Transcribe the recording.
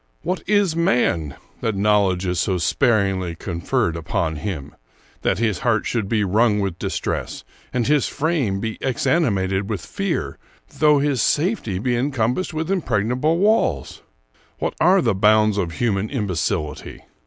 What is man, that knowledge is so sparingly conferred upon him! that his heart should be wrung with distress, and his frame be exanimated with fear, though his safety be encompassed with impregnable walls! What are the bounds of human imbecility!